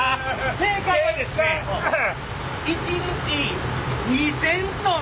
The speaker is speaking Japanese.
正解はですね一日２，０００トン。